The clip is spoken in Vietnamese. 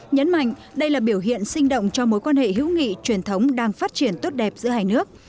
nhấn mạnh đây là biểu hiện sinh động cho mối quan hệ hữu nghị truyền thống đang phát triển tốt đẹp giữa hai nước